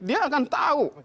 dia akan tahu